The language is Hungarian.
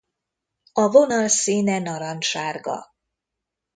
A vonal színe narancssárga.